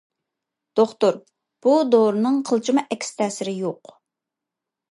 دوختۇر: بۇ دورىنىڭ قىلچىمۇ ئەكس تەسىرى يوق.